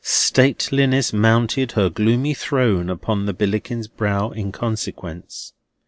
Stateliness mounted her gloomy throne upon the Billickin's brow in consequence.